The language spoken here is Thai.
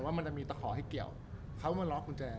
แต่ว่ามันจะมีตะขอที่เกี่ยวค้ามันล็อกคุณแจ